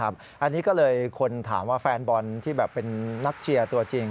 อันนี้ก็เลยคนถามว่าแฟนบอลที่แบบเป็นนักเชียร์ตัวจริง